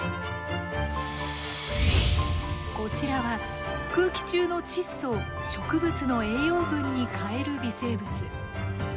こちらは空気中の窒素を植物の栄養分に変える微生物。